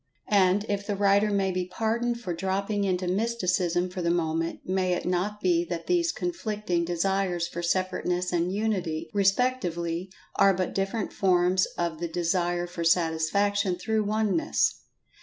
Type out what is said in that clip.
And, if the writer may be pardoned for dropping into Mysticism for the moment, may it not be that these conflicting Desires for Separateness and Unity, respectively, are but different forms of the Desire for Satisfaction through Oneness.